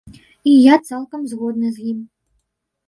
І я цалкам згодны з ім.